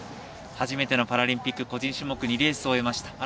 初めてのパラリンピック個人種目２レース終えました。